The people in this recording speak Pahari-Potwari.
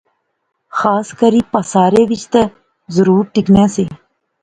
خاص کری پاسارے وچ تہ ضرور ٹکنے سے